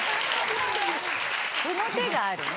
・その手があるね。